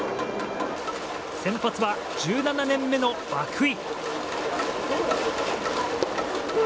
先発は１７年目の涌井。